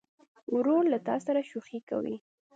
ورور له تا سره شوخي کوي.